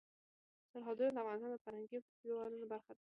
سرحدونه د افغانستان د فرهنګي فستیوالونو برخه ده.